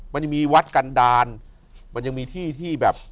มันยังมีวัดกันดาลมันยังมีที่ที่แบบ